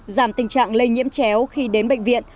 giảm tình trạng lây nhiễm chéo khi đến bệnh viện